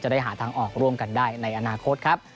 ได้หาทางออกร่วมกันได้ในอนาคตครับ